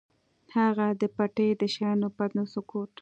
هغه د پټۍ د شيانو پتنوس وکوت.